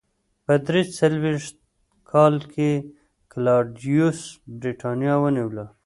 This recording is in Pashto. په درې څلوېښت کال کې کلاډیوس برېټانیا ونیوله.